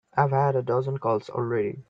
I've had a dozen calls already.